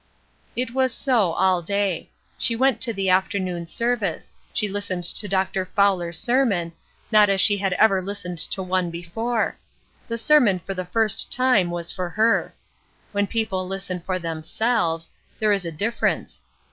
It was so, all day. She went to the afternoon service; she listened to Dr. Fowler's sermon, not as she had ever listened to one before; the sermon for the first time was for her. When people listen for themselves, there is a difference.